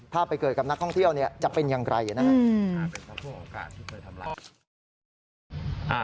ถ้าไปเกิดกับนักท่องเที่ยวเนี่ยจะเป็นอย่างไรนะครับ